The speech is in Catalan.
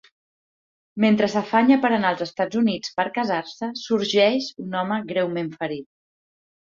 Mentre s'afanya per anar als Estats Units per casar-se, sorgeix un home greument ferit.